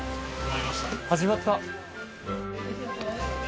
始まった！